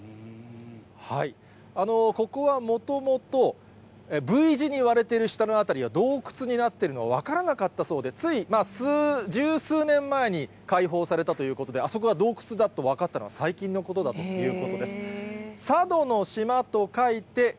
ここはもともと、Ｖ字に割れてる下の辺りが洞窟になってるのが分からなかったそうで、つい十数年前に開放されたということで、あそこが洞窟だと分かったのは、最近のことだということです。